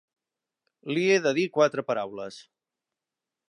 Li he de dir quatre paraules.